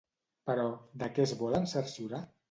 Però, de què es volen cerciorar?